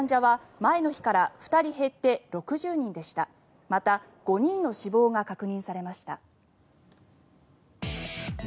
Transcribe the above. また、５人の死亡が確認されました。